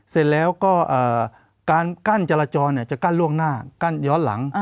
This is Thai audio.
เสร็จแล้วก็การกั้นจราจรจะกั้นล่วงหน้ากั้นย้อนหลัง